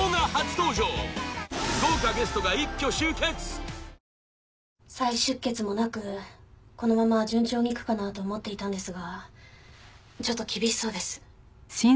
２１再出血もなくこのまま順調にいくかなと思っていたんですがちょっと厳しそうです。